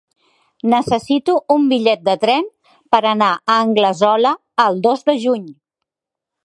Necessito un bitllet de tren per anar a Anglesola el dos de juny.